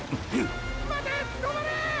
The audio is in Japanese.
まて止まれ！！